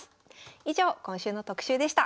以上今週の特集でした。